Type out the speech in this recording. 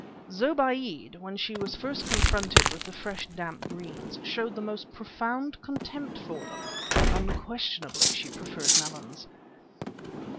Zobéide, when she was first confronted with the fresh, damp greens, showed the most profound contempt for them. Unquestionably she preferred melons.